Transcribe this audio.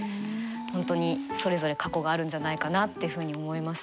本当にそれぞれ過去があるんじゃないかなってふうに思いますよね。